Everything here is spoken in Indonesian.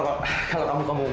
udah sayang udah sayang